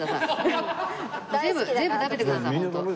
全部全部食べてください本当。